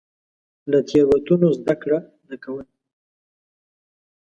له تېروتنو زده کړه نه کول.